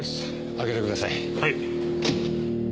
開けてください。